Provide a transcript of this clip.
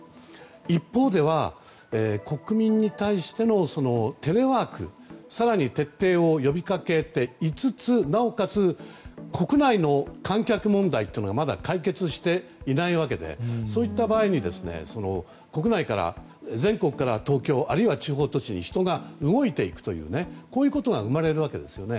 一方では、国民に対してのテレワークの更に徹底を呼び掛けていつつなおかつ国内の観客問題はまだ解決していないわけでそういった場合に国内から全国から東京あるいは地方都市に人が動いていくということが生まれるわけですよね。